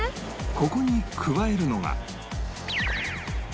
ここに加えるのが